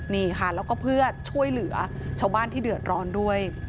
นี่ค่ะแล้วก็เพื่อช่วยเหลือชาวบ้านที่เดือดร้อนด้วย